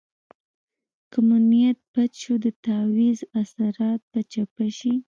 که مو نیت بد شو د تعویض اثرات به چپه شي.